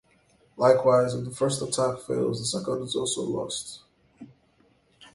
Likewise, if the first attack fails, the second is also lost.